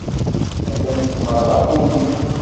Atan deg uɣerrabu-nni.